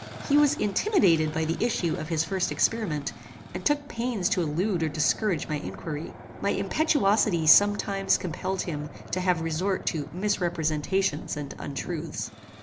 He was intimidated by the issue of his first experiment, and took pains to elude or discourage my inquiry. My impetuosity some times compelled him to have resort to misrepresentations and untruths.